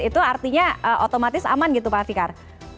itu artinya otomatis aman gitu pak fikar